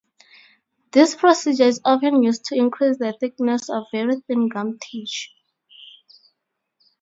This procedure is often used to increase the thickness of very thin gum tissue.